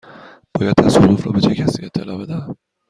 باید تصادف را به چه کسی اطلاع بدهم؟